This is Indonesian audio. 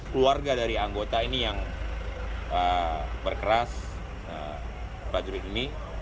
keluarga dari anggota ini yang berkeras prajurit ini